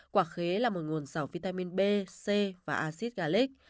quả khế là một nguồn giàu vitamin b c và acid galic